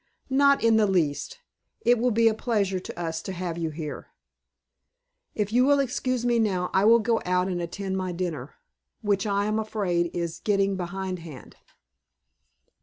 "Not in the least. It will be a pleasure to us to have you here. If you will excuse me now, I will go out and attend to my dinner, which I am afraid is getting behindhand."